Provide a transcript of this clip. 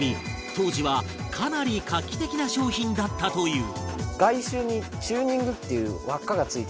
当時はかなり画期的な商品だったという